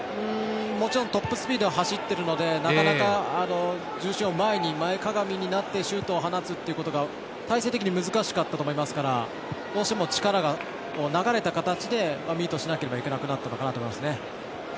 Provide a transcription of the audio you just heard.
トップスピードで走っているのでなかなか重心を前かがみになってシュートを放つということが体勢的に難しかったと思いますからどうしても力が流れた形でミートしなければいけなくなったのかなと思います。